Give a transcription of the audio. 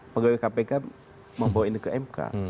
pegawai kpk membawa ini ke mk